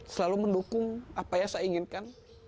selalu mendukung apa yang saya inginkan